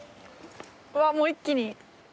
うわもう一気に。